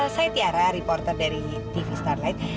saya tiara reporter dari tv starlight